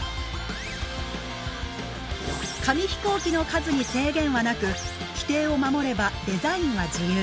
紙飛行機の数に制限はなく規定を守ればデザインは自由。